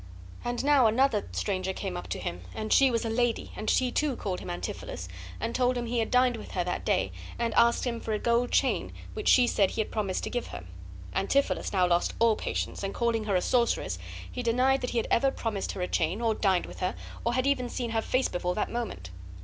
And now another stranger came up to him, and she was a lady, and she, too, called him Antipholus, and told him he had dined with her that day, and asked him for a gold chain which she said he had promised to give her. Antipholus now lost all patience, and, calling her a sorceress, he denied that he had ever promised her a chain, or dined with her, or had even seen her face before that moment.